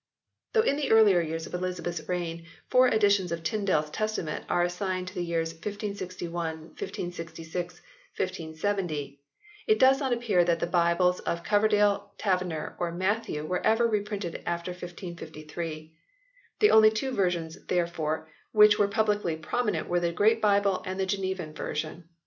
Though in the earlier years of Elizabeth s reign four editions of Tyndale s Testament are assigned to the years 1561, 1566, 1570, it does not appear that the Bibles of Coverdale, Taverner or Matthew were ever reprinted after 1553. The only two versions, therefore, which were publicly prominent were the Great Bible and the Genevan version.